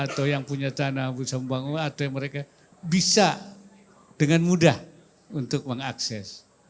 atau yang punya tanah bisa membangun atau mereka bisa dengan mudah untuk mengakses